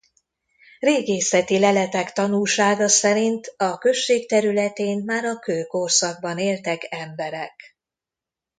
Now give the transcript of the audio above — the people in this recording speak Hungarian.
Régészeti leletek tanúsága szerint a község területén már a kőkorszakban éltek emberek.